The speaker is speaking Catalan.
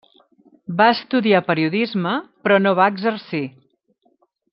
Va estudiar periodisme, però no va exercir.